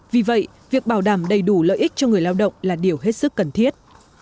vì vậy việc bảo đảm đầy đủ lợi ích cho người lao động là điều hết sức cần thiết